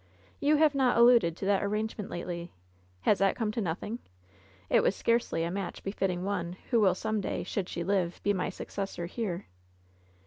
You have not alluded to that arrangement lately. Has that come to nothing ? It was scarcely a match be fitting one who will some day, should she live, be my suc cessor here.